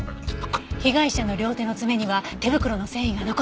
被害者の両手の爪には手袋の繊維が残ってたから。